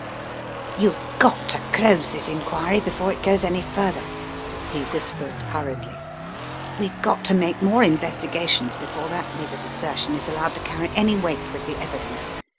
228 The Riddle of the Purple Emperor "You've got to close this inquiry before it goes any further," he whispered, hurriedly. "We've got to make more investigations before that nigger's assertion is allowed to carry any weight with the evidence.